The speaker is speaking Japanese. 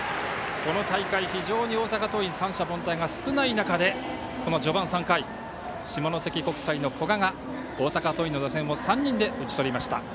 この大会、非常に大阪桐蔭、三者凡退が少ない中で、この序盤３回下関国際の古賀が大阪桐蔭の打線を３人で打ち取りました。